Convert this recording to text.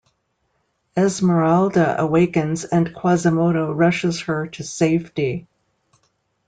Esmeralda awakens and Quasimodo rushes her to safety.